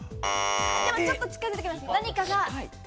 ちょっと近づいてきました。